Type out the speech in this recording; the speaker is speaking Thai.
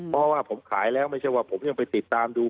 เพราะว่าผมขายแล้วไม่ใช่ว่าผมยังไปติดตามดู